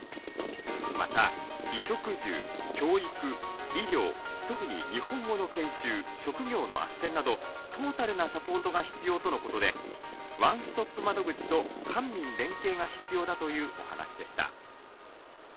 また医食住教育医療特に日本語の研修職業のあっせんなどトータルなサポートが必要とのことでワンストップ窓口と官民連携が必要だというお話でした。